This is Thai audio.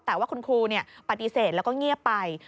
แต่ว่าคุณครูปฏิเสธแล้วก็เงียบไป